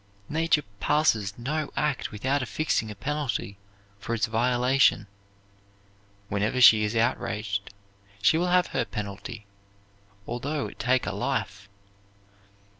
Nature passes no act without affixing a penalty for its violation. Whenever she is outraged she will have her penalty, although it take a life.